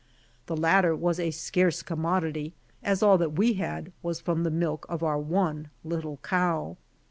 The latter was a scarce com y modity, as all that we had was from the milk of our r one little cow.